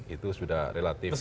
itu sudah relatif banyak